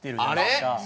あれ？